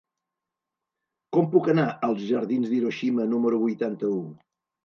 Com puc anar als jardins d'Hiroshima número vuitanta-u?